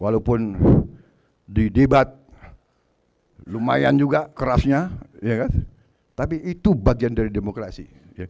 walaupun di debat lumayan juga kerasnya tapi itu bagian dari demokrasi